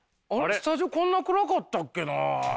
スタジオこんな暗かったっけな。